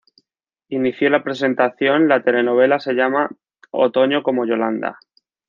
Inició la presentación la telenovela se llama Otoño como Yolanda.